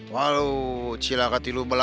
walu sila katilu belas